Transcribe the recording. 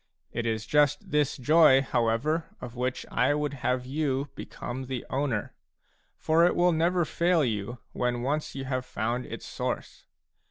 It is just this joy, however, of which I would have you become the owner ; for it will never fail you when once you have found its source.